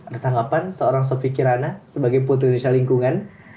ada tanggapan seorang sopi kirana sebagai putri indonesia lingkungan